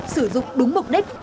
sử dụng đúng mục đích